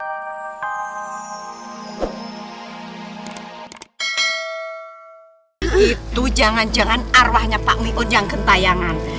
itu jangan jangan arwahnya pak mio yang kentayangan